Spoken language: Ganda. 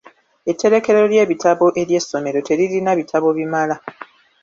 Etterekero ly'ebitabo ery'essomero teririna bitabo bimala.